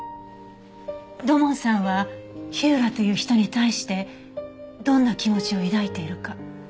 土門さんは火浦という人に対してどんな気持ちを抱いているか。